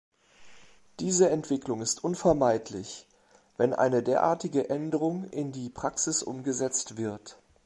Diese Entwicklung ist unvermeidlich, wenn eine derartige Änderung in die Praxis umgesetzt wird.